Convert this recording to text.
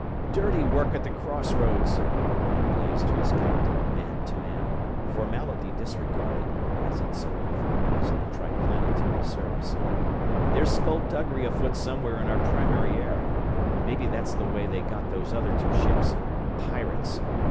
"Dirty work at the cross roads!" he blazed to his captain, man to man formality disregarded, as it so often was in the Triplanetary service. "There's skulduggery afoot somewhere in our primary air! Maybe that's the way they got those other two ships pirates!